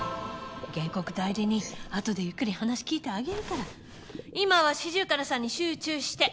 原告代理人後でゆっくり話聞いてあげるから今はシジュウカラさんに集中して！